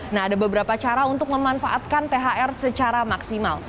nah ada beberapa cara untuk memanfaatkan thr secara maksimal